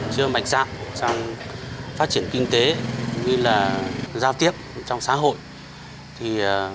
chưa mạnh dạng trong phát triển kinh tế cũng như là giao tiếp trong xã hội